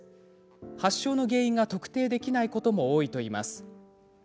発症の原因が特定できないことも多いといいます。